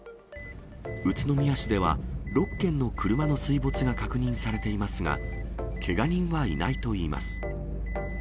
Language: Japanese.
宇都宮市では、６件の車の水没が確認されていますが、けが人はいないといいます。